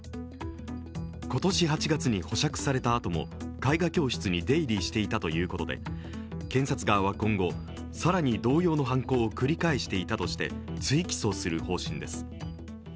今年８月に保釈したあとも絵画教室に出入りしていたということで、更に同様の犯行を繰り返していたとして追起訴する方針です。